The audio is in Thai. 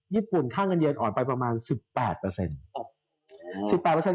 ญค่าเงินเย็นอ่อนไปประมาณ๑๘